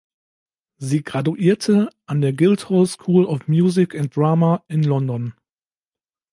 Sie graduierte an der Guildhall School of Music and Drama in London.